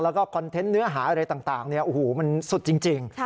แล้วก็คอนเทนต์เนื้อหาอะไรต่างเนี่ยโอ้โหมันสุดจริง